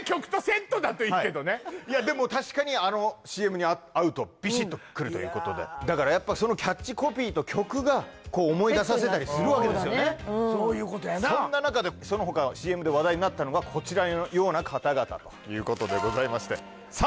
いやでも確かにあのＣＭに合うとビシッとくるということでだからやっぱそのキャッチコピーと曲が思い出させたりするわけですよねそういうことやなそんな中でそのほかのＣＭで話題になったのがこちらのような方々ということでございましてさあ